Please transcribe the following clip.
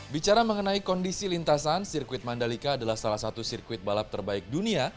bicara mengenai kondisi lintasan sirkuit mandalika adalah salah satu sirkuit balap terbaik dunia